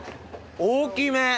大きめ！